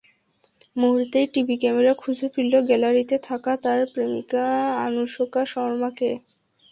মুহূর্তেই TV camera খুঁজে ফিরল গ্যালারিতে থাকা তাঁর প্রেমিকা আনুশকা শর্মাকে।